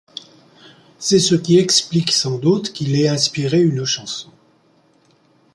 C’est ce qui explique sans doute qu’il ait inspiré une chanson.